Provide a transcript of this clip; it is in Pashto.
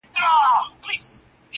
را ژوندی سوی يم، اساس يمه احساس يمه.